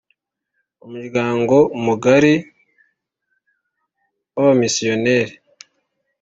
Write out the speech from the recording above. umuryango mugari w abamisiyoneri